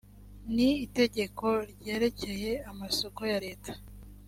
ni itegeko ryerekeye amasoko ya leta